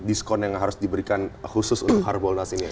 diskon yang harus diberikan khusus untuk hardball nasinya